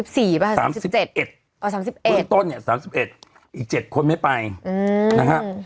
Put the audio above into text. เบื้องต้นเนี่ย๓๑อีก๗คนไม่ไปนะฮะ